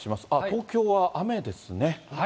東京は雨ですね。